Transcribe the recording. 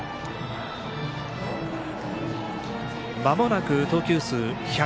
まもなく投球数１００